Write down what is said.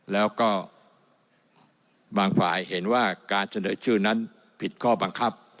แล้วก็บางฝ่ายเห็นว่าการเสนอชื่อนั้นผิดข้อบังคับ